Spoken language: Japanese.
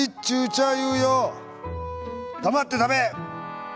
『黙って食べ！』。